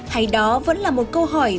hay đó vẫn là một câu hỏi